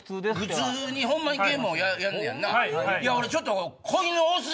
普通にホンマにゲームをやんねやんな？